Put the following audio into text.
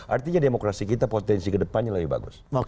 artinya demokrasi kita potensi ke depannya lebih bagus